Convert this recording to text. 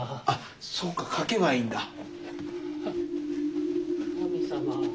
あっそうか書けばいいんだ。